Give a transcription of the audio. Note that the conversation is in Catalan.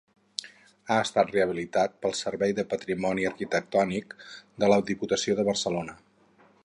Ha estat rehabilitat pel servei del Patrimoni Arquitectònic de la Diputació de Barcelona.